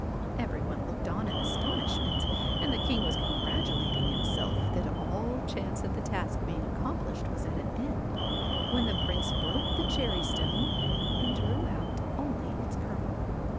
CAT Every one looked on in astonishment, and the king was congratulating himself that all chance of the task being accomplished was at an end, when the Prince broke the cherry stone, and drew out only its kernel.